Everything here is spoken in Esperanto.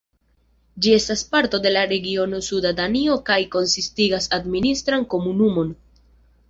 Ĝi estas parto de la regiono Suda Danio kaj konsistigas administran komunumon.